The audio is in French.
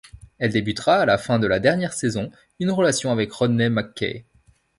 Elle débutera à la fin de la dernière saison une relation avec Rodney McKay.